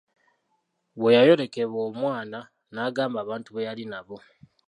Bwe yayolekebwa omwana n'agamba abantu be yali nabo.